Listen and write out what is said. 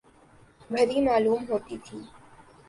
بھری معلوم ہوتی تھی ۔